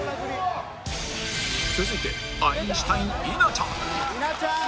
続いてアインシュタイン稲ちゃん